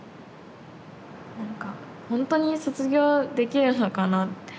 なんかほんとに卒業できるのかなって。